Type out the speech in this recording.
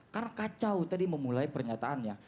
karena kacau tadi memulai pernyataannya